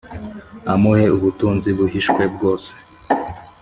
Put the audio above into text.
Amuhe ubutunzi buhishwe bwose